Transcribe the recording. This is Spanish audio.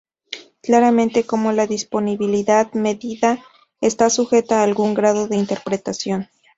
Claramente como la disponibilidad medida está sujeta a algún grado de interpretación.